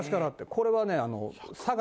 これはね佐賀。